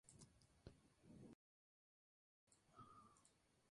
Serge Gainsbourg se ha inspirado en temas de compositores clásicos.